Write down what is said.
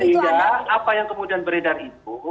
sehingga apa yang kemudian beredar itu